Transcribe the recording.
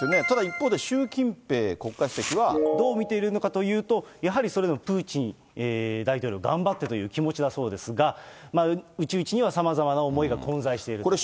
ただ一方で、どう見ているのかというと、やはりそれでもプーチン大統領、頑張ってという気持ちだそうですが、内々にはさまざまな思いが混在していると。